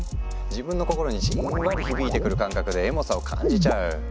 自分の心にじんわり響いてくる感覚でエモさを感じちゃう。